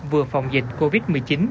vừa phòng dịch covid một mươi chín